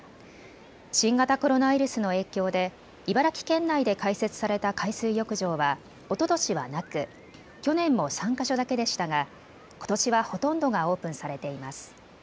新型コロナウイルスの影響で茨城県内で開設された海水浴場はおととしはなく、去年も３か所だけでしたがことしは、ほとんどがオープンされています。